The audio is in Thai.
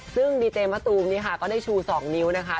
ซึ่งดีเจมส์มะตูมก็ได้ชู๒นิ้วนะคะ